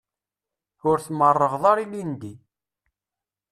Ur tmerrɣeḍ ara ilindi.